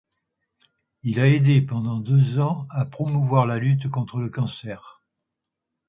Il a aidé pendant deux ans la à promouvoir la lutte contre le cancer.